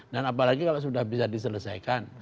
dan apalagi kalau sudah bisa diselesaikan